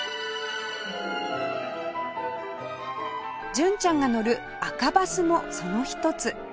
純ちゃんが乗る赤バスもその一つ